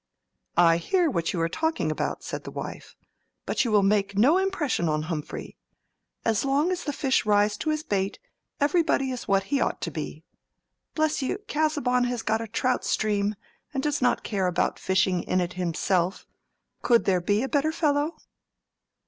"I hear what you are talking about," said the wife. "But you will make no impression on Humphrey. As long as the fish rise to his bait, everybody is what he ought to be. Bless you, Casaubon has got a trout stream, and does not care about fishing in it himself: could there be a better fellow?"